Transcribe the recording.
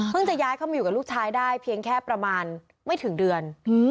จะย้ายเข้ามาอยู่กับลูกชายได้เพียงแค่ประมาณไม่ถึงเดือน